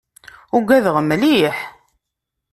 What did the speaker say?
Ugadeɣ mliḥ.